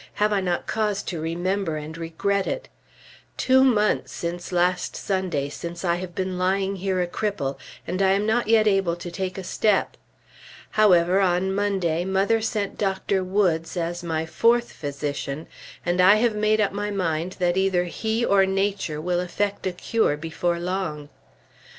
Have I not cause to remember and regret it? Two months last Sunday since I have been lying here a cripple, and I am not yet able to take a step. However, on Monday mother sent Dr. Woods as my fourth physician, and I have made up my mind that either he or Nature will effect a cure before long.